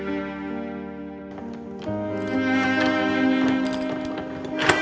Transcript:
tidak ada yang bisa diberikan kepadanya